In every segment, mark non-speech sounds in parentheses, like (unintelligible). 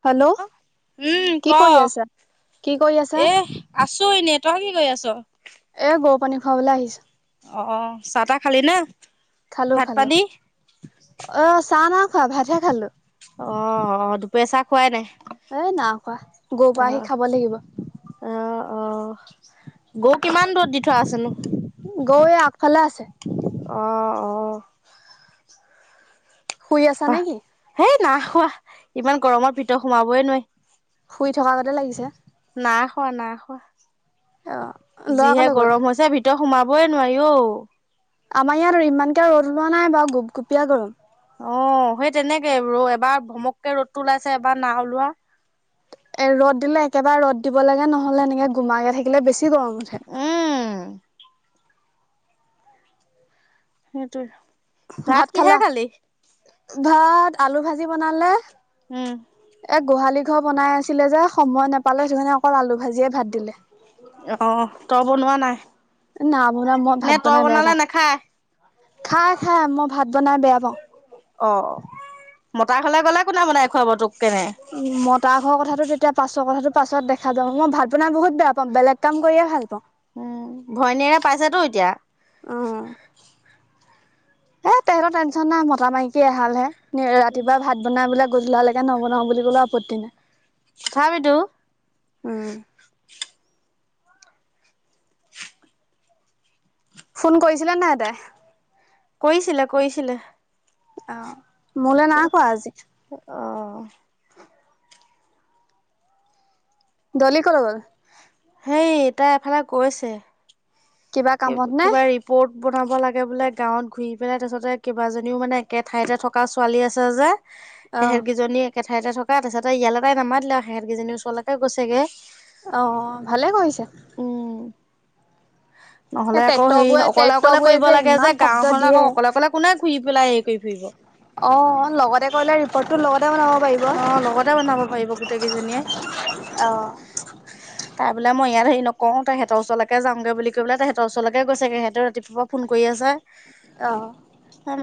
অ উম ক কি কৰি আছা এ আছোঁ এনে। তই কি কৰি আছোঁ। এ গৰু পানী খুৱাবলৈ আহিছো অ চাহ তাহ খালি নে। খালো ভাত খালো পানী অ চাহ না খোৱা ভাতহে খালো অ অ দুপৰীয়া চাহ খুৱাই নাই। এ না খোৱা গৰু পৰা অহ আহি খাব লাগিব। অ অ গৌ কিমান দূৰত দি থোৱা আছেনো। গৈয়ে আগফালে আছে অঁ অঁ। শুই আছা নেকি। না খোৱা ইমান গৰমৰ পিতৰ সোমাবই নোৱাৰি শুই থকা আগতে লাগিছে নাই খোৱা নাই অ খোৱা লৰা যিহে কলৈ গ'ল গৰম হৈছে ভিতৰ। সোমাবয়ে নোৱাৰি অ। আমাৰ ইয়াত ইমানকে ৰ'দ ওলোৱা নাই বাৰু গুপগুপীয়া গৰম। অ সেই তেনেকে ৰ এবাৰ ভমককে ৰ'দটো ওলাইছে এবাৰ নাই ওলোৱা। এ ৰ'দ দিলে একেবাৰে ৰ'দ দিব লাগে নহ'লে এনেকে গোমাকে থাকিলে বেছি কি গৰম উঠে। উম সেইটোৱে ভাত কি কিহেৰে খালি। ভাত আলু ভাজি বনালে। উম। এ গোহালি ঘৰ বনাই আছিলে যে। সময় নাপালে সেইটো কাৰণে অকল আলু ভাজিয়ে ভাত দিলে। অ', তই বনোৱা নাই? নাই বনা মই নে ভাত তই বনাই বেয়া বনালে পাওঁ। নাখায়? খাই খাই মই ভাত বনাই বেয়া পাওঁ। অ', মতা ঘৰলে গ'লে কোনে বনাই খুৱাব তোক। কেনে? উম মতাৰ ঘৰৰ কথাটো তেতিয়া পাছৰ কথাটো পাছত দেখা যাওঁ মই ভাল বনাই বহুত বেয়া পাওঁ। বেলেগ কাম কৰিয়ে ভাল পাওঁ। পাইছাতো এতিয়া। উম এ তেহতৰ টেনচন নাই মতা মাইকে এহাল হে। ৰাতিপুৱা ভাত বনাই বোলে গধূলালৈকে নবনাও বুলি কলেও আপত্তি নাই। খাবিটো। উম। ফোন কৰিছিলে নাই তাই। কৰিছিলে-কৰিছিলে। অহ মোলৈ নাই কোৱা আজি। অ। দলি কলৈ গ'ল। হেই তাই এফালে গৈছে। কিবা কামত নে কিবা ৰিপৰ্ট। বনাব লাগে বোলে গাঁৱত ঘূৰি পেলাই তাৰপিছতে কেইবাজনীও মানে একে ঠাইতে থকা ছোৱালী আছে যে। অ সেহতকেইজনী একে ঠাইতে থকা তাৰপিছতে ইয়ালে তাই নামাতিলে আৰু সেহেতকেইজনীৰ ওচৰলৈকে গৈছেগে। অ ভালে কৰিছে। (inaudible) এই নহ'লে আকৌ ট্ৰেক্টৰ হেৰি বোৰে অকলে- ট্ৰেক্টৰ অকলে বোৰে কৰিব লাগে ইমান যে শব্দ গাঁওখনত দিয়ে আকৌ অকলে-অকলে কোনে ঘূৰি গলাই হেৰি কৰি ফুৰিব। অ' লগতে গ'লে ৰিপৰ্ট টো ল অ লগতে বনাব পাৰিব গোটেই কেইজনীয়ে। তাই বোলে মই ইয়াত হেৰি নকওঁ তেখতৰ ওচৰলৈ যাওঁগে বুলি কৈ পেলাই তেহেতৰ ওচৰলৈকে গৈছেগে সিহঁতে ৰাতিপুৱাৰ ফোন কৰি আছে। অ'।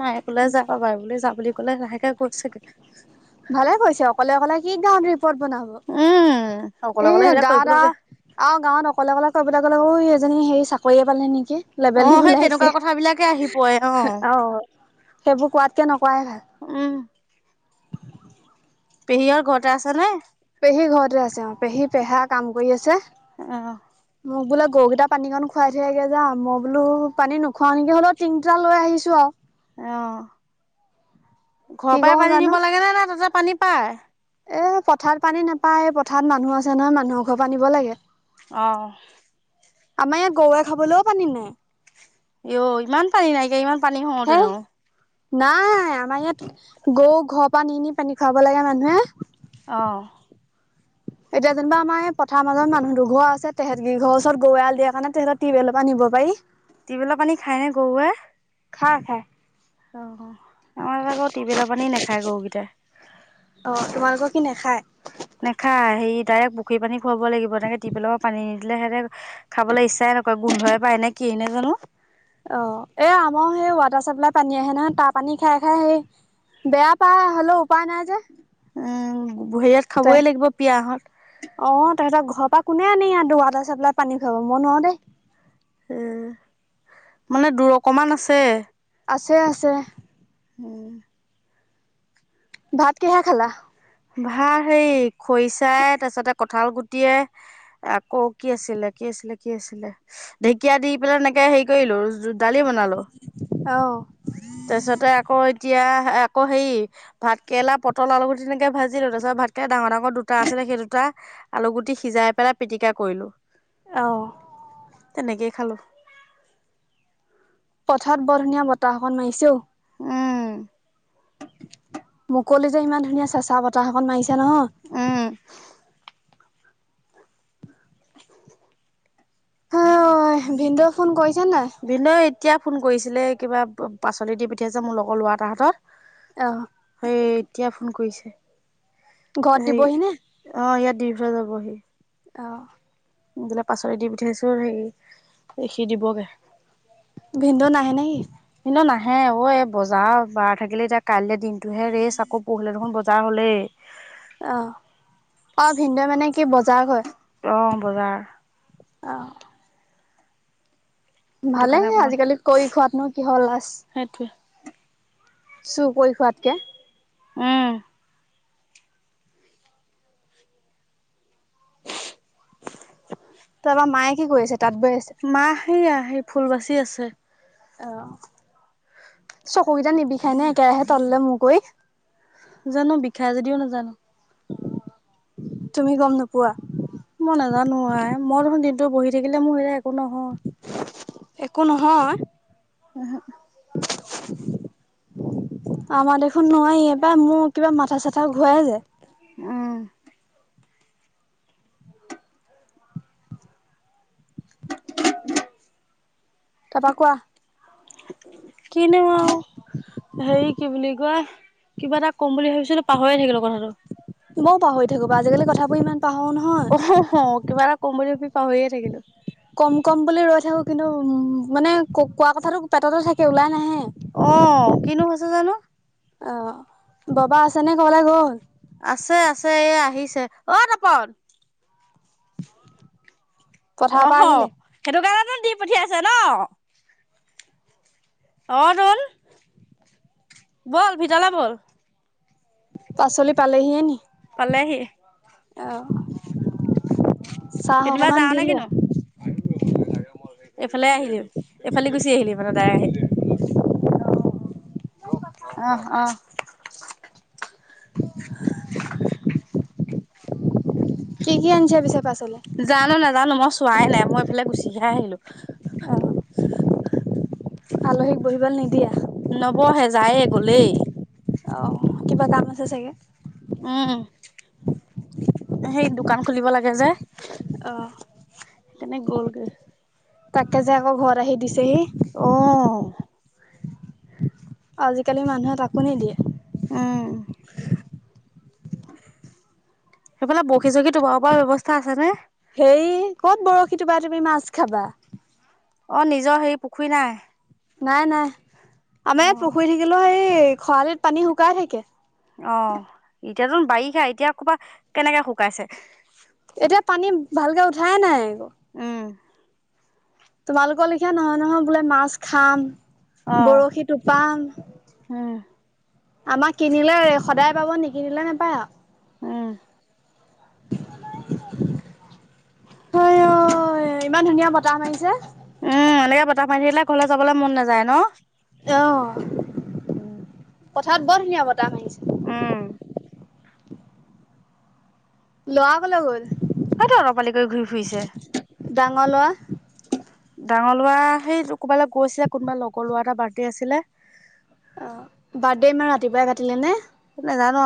মায়ে ক'লে যাব বাৰু বো যা বুলি ক'লে লাহেকে কৈ চাগৈ। ভালে কৈছে অকলে- অকলে কি গাওঁ ক'ত বনাব উম, অকলে এ অকলে সেইবিলাক গা কৰিবলৈ দা বেয়া। আৰু গাঁৱত অকলে অকলে ক। তাক আকৌ এজনী হে চাকৰিয়ে পালে নেকি। লেবল অ', সেই দিবলৈ তেনেকুৱা আহিছে কথাবিলাকে আহি পৰে অ। সেইবোৰ কোৱাতকে নকোৱাই ভাল। পেহীহত ঘৰতে আছে নে। পেহী ঘৰতে আছে অ পেহী পেহা কাম কৰি আছে অ', মোক বোলে গৰুকেইটা পানীকণ খুৱাই থৈ আহ গে যা মই বোলো পানী নোখোৱাওঁ নেকি হ'লেও তিনিটা লৈ আহিছোঁ আৰু। অ' কি ঘৰৰ পৰাই কৰো পানী জানো নিব লাগে নে নাই তাতে পানী পায়। এ পথাৰত পানী নাপায় পথাৰত মানুহ আছে নহয় মানুহৰ ঘৰ পৰা আনিব লাগে। আহ। আমাৰ ইয়াত গৰুৱে খাবলৈও পানী নাই। অই ইমান পানী নাইকিয়া, ইমান পানী হওঁতে হেই নহ। নাই আমাৰ ইয়াত গৰু ঘৰ পানী নি নি পানী খুৱাব লাগে মানুহে অহ (inaudible) এতিয়া যেনিবা আমাৰ পথাৰ মাজত মানুহ দু ঘৰ আছে তেহেত ঘৰ ওচৰত গৰুএৰাল দিয়ে কাৰণে তেহেৰ টিউবেলৰ পৰা (unintelligible) ভাতীবেলা পানী খায়নে, গৰুৱে? খাই, খাই। আহ আমাৰ ততে আকৌ টিউবেলৰ পানী নাখায় গৰুকেইটাই সি নেখায়। নেখায়, হেৰি ডাইৰেক্ট পুখুৰী পানী খুৱাব লাগিব। তেনেকে টিপেল লগত পানী নিদিলে সেহঁতে খাবলৈ ইচ্ছা। তেনেকুৱা, গোন্ধই পায় নে কি নেজানো? অ', এ আমাৰ সেই ৱাটাৰ চাপ্লাই পানী আহে নহয়, তাৰ পানী খাই খাই সেই। বেয়া পায় হ'লেও উপায় নাই যে উম হেৰিয়াত ত খাবই লাগিব পিয়াহত অ তেহেতৰ ঘৰৰ পৰা কোনে আনি ইহঁতক ৱাটাৰ চাপ্লাই পানী খুৱাব, মই নোৱাৰো দেই। (unintelligible) মানে দূৰ অকমান আছে। আছে আছে উম। ভাত কিহে খালা ভাল হেৰি খৰিচাই, তাৰছতে কঠাল গুটিয়ে। আকৌ কি আছিলে কি? কি আছিলে কি আছিলে ঢেকীয়া দি পেলাই তেনেকে হেৰি কৰিলো দালি বনালো অ তাৰপিছতে আকৌ এতিয়া আকৌ হেৰি, ভাত কেৰেলা পটল আলুুগুটি তেনে। ভাজিলো, তাৰ পিছত ভাতকেৰেলা ডাঙৰ ডাঙৰ দুটা আছিলে। সেই দুটা, আলু গুটি সিজাই পেলাই পিটিকা কৰিলো। অহ। খালোঁ। পথত বৰ ধুনীয়া বতাহ অকণ মাৰিছো মুকলি যে, ইমান ধুনীয়া চেঁচা বতাহকন মাৰিছে নহয়। অ ভিনদেউ ফোন কৈছে বিনয় এতিয়া ফোন কৰিছিলে কিবা পাচলি দি পঠিয়াইছে, মোৰ লগৰ ল'ৰা এতাৰ অহ, হাতত। এই, এতিয়া ফোন কৰিছে। ঘৰত সেই দিবহি নে? অ ইয়াত দি থৈ যাবহি অ দিলে পাচলি দি পঠাইছো সি দিবগে ভিনদেউ নাহে নে কি হে অ এ বজাৰ বাৰ থাকিলে এতিয়া কাইলে দিনটোহে ৰেচ আকৌ পৰহিলে দেখোন বজা চাহ হ'লেই। অ', অ, ভিনদেউ মানে কি বজাৰ কৰে। অহ, বজাৰ। অহ সেইটো ভালে, কাৰণে অকমান আজিকালি কৰি খোৱাতনো কিহৰ লাজ। সেইটোৱে চুৰ কৰি খোৱাতকে। উম। তা আমাৰ মায়ে কি কৈছে মা সেয়া সেই ফুল বাচি আছে অহ চকু কেইটা নিবিষায়নে একেৰাহে তললে মোৰ কৰি জানো, বিষাই যদিও নাজানো। তুমি গম নোপোৱা? মই নাজানো আই, মই দেখোন দিনটো বহি থাকিলে মোৰ সেয়া একো নহয়। একো নহয়। উমহু। (unintelligible) আমাৰ দেখোন নোৱাৰি এ পাই মোৰ কিবা মাথা চাথা ঘূৰাই যায়। উম। (unintelligible) তাৰপা কোৱা কিনো আৰু হেৰি কি বুলি কোৱা কিবা এটা ক'ম বুলি ভাবিছ পাহৰিয়ে থাকিলো কথাটো। তোমাৰও পাহ হৈ থাকিব আজিকালি কথাবোৰ ইমান। পাহৰো নহয়। অ কিবা এটা কম বুলি পাহৰিয়ে থাকিলো। ক'ম ক'ম বুলি ৰৈ থাকোঁ, কিন্তু মানে উম ক কোৱা কথাটো পেটতে থাকে ওলাই নাহে আহ কিনো হৈছে জানো। অ বাবা আছেনে ক'ৰবালে গ'ল? আছে আছে এ আহিছে, অ' তপন পথাৰৰ পৰা অহ আহিলে সেইটো কাৰণতো দি পঠিয়াইছে ন। অ ৰল বল ভিতলে বল। পাচলি পালেহিয়েনি। পালেহি আহ চাহ অকমান দিলো। এফালে আহিলি এইফালদি গুচি আহিলি মানে দাই (unintelligible) আহ আহ। (unintelligible) কি কি আনিছে পিছে পাছলি জানো নাজানো মই চোৱাই নাই মই এইফালে গুচিহে আহিলো। অ' আলহীক বহিবলৈ নিদিয়া। নবহে যায়ে, গ'লেই। অ কিবা কাম আছে চাগে। উম সেই দোকান খুলিব লাগে যে। আহ। তেনে গ'লগৈ। তাকে যে আকৌ ঘৰত আহি দিছেহি অ '। আজিকালি মানুহে তাকো নিদিয়ে। উম সেইফালে বশি চৰশী থোপৰা পৰা ব্যৱস্থা আছে নে? হেৰী ক'ত বৰশী তোপা তুমি মাছ খাবা। অ নিজৰ হে পুখুৰী নাই। নাই নাই, আমাৰ অ ইয়াত পুখুৰী থাকিলেও সেই খৰালিত পানী শুকাই থাকে। অ', এতিয়াতোন বাৰিষা এতিয়া ক'বাত কেনেকে শুকাইছে? এতিয়া পানী ভালকে উঠায়েই নাই উম। তোমালোকৰ লেখীয়া নহয় নহয় বোলে মাছ খাম অ বৰশী টোপাম। উম আমাক কিনিলে সদায় পাব, নিকিনিলে নাপায় উম। হয় অ' ইমান ধুনীয়া বতাহ মাৰিছে। উম এনেকে বতাহ মাৰ থাকিলে ঘৰলৈ যাবলৈ মন নাযায় ন। আহ উম পথাৰত বৰ ধুনীয়া বতাহ মাৰিছে। উম ল'ৰা কলৈ গ'ল। হয়তো অতপালি কৰি ঘূৰি ফুৰিছে। ডাঙৰ ল'ৰা? ডাঙৰ ল'ৰা সেই ক'ৰবালৈ গৈছিলে, কোনোবা লগৰ ল'ৰা এটা বাৰ্থডে আছিলে। অ', বাৰ্থডে ৰাতিপুৱাই কাটিলে নে? নেজানো।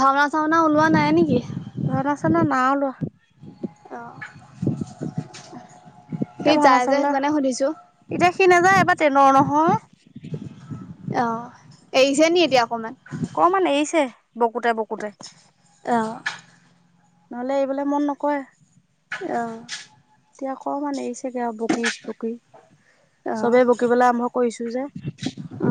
ভাওনা-চাওনা ওলোৱা নাই নেকি? ভাওনা চাওনা (unintelligible) অ'। সি এতিয়া ভাওনা যাই যে সেইটো চাবলৈ কাৰণে সুধিছো এতিয়া সি নাযায় এবাৰ (inaudible) অ', এৰিছে নি এতিয়া? অকমান অকমান এৰিছে, বকুতে বকুতে। অ নহ'লে এইবোলে মন নকৰে। অ। এতিয়া অকমানে এৰিছেগে বকিচ বকি। অ চবেই বকিবলৈ আৰম্ভ কৰিছোঁ যে। অ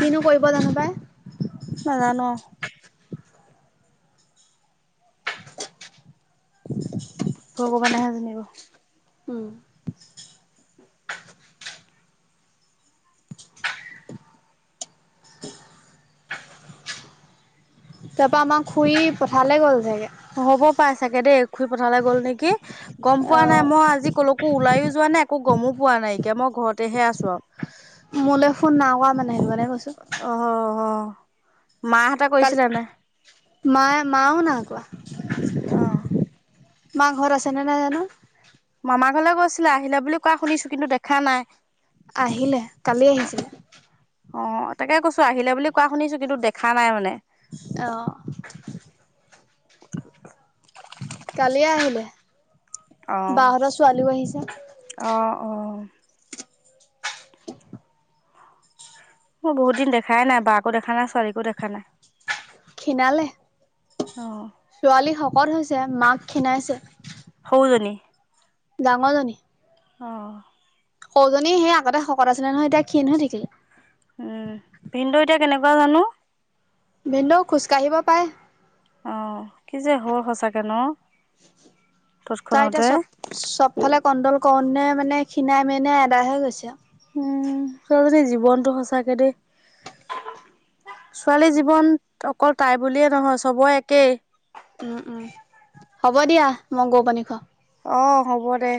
কিনো কৰিব জানো পাই? নাজানোঁ। ভগৱানেহে জানিব। উম! তাৰ পৰা আমাক শুই পথাৰলৈ গ'ল। চাগে হ'ব পাই চাগে দেই, ঘূৰি পথাৰলৈ গ'ল নেকি গম পোৱা নাই, অ' মই আজি কলৈকো ওলাই অ যোৱা নাই, একো গমো পোৱা নাই। এতিয়া মই ঘৰতেহে আছোঁ আৰু। মোলৈ ফোন নাই কৰা মানে, সেইকাৰণে কৈছোঁ। মা, হতে কৰিছিলা নে নাই? মায়, মাও নাই কোৱা। অ'। মা ঘৰত আছে নে নাই জানো? ইফালে গৈছিলে, আহিলে বুলি কোৱা শুনিছোঁ, কিন্তু দেখা নাই। আহিলে, কালি অ আহিছিলে। অ', তাকে কৈছোঁ, আহিলে বুলি কোৱা শুনিছোঁ, কিন্তু দেখা নাই মানে। অ', কালি আহ অ বাহঁতৰ ছোৱালীও আহিছে। অ অ মোৰ বহুত দিন দেখাই নাই, বাকো দেখা নাই, ছোৱালীকো দেখা নাই। খীণালে, অ ছোৱালী শকত হৈছে, মাক খীণাইছে। (inaudible) ডাঙৰ জনী। অ'। সৰুজনী সেই আগতে শকত আছিলে নহয়, এতিয়া ক্ষীণ হৈ থাকিল। উম, ভিনদেও এতিয়া কেনেকুৱা জানো? ভিনদেউ খোজকাাঢ়িব পাৰে। অ', কি যে হ'ল, সচাকে ন? তই এতিয়া তৎক্ষণতে চব চবফালে কণ্ট্ৰল কৰোঁতে মানে খিনাই-মিনাই আদা হৈ গৈছে। উম ছোৱালীজনীৰ জীৱনটো সঁচাকে দেই। ছোৱালী জীৱন অকল তাই বুলিয়ে নহয়, চবৰে একেই। উম, উম, হ'ব দিয়া, মই গৰু পানী খোৱাওঁ। অ', হ'ব দে।